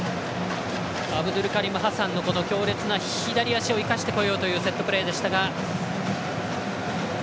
アブドゥルカリム・ハサンの強烈な左足を生かしてこようというセットプレーでした。